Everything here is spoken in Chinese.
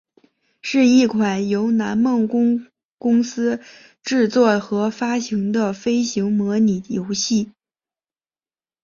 是一款由南梦宫公司制作和发行的飞行模拟游戏。